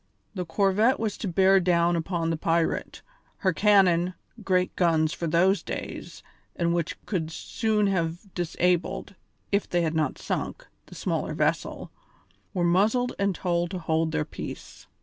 The corvette was to bear down upon the pirate, her cannon great guns for those days, and which could soon have disabled, if they had not sunk, the smaller vessel were muzzled and told to hold their peace.